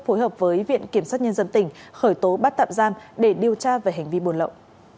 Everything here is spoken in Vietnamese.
phối hợp với viện kiểm sát nhân dân tỉnh khởi tố bắt tạm giam để điều tra về hành vi buôn lậu